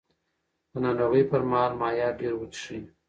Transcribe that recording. د ناروغۍ پر مهال مایعات ډېر وڅښئ.